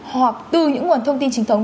hoặc từ những nguồn thông tin trinh thống